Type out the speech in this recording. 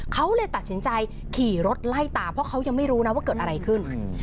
เขาเลยตัดสินใจขี่รถไล่ตามเพราะเขายังไม่รู้นะว่าเกิดอะไรขึ้น